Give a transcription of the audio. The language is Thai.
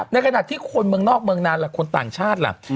ในขณะที่คนเมืองนอกเมืองนานล่ะคนต่างชาติล่ะ